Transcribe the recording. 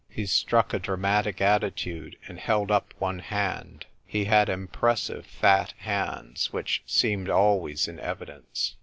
He struck a dramatic attitude, and held up one hand , he had impressive fat hands, which seemed always in evidence.